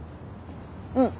うん。